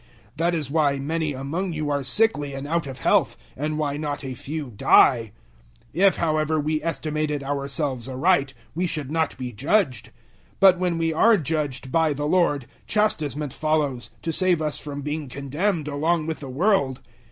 011:030 That is why many among you are sickly and out of health, and why not a few die. 011:031 If, however, we estimated ourselves aright, we should not be judged. 011:032 But when we are judged by the Lord, chastisement follows, to save us from being condemned along with the world.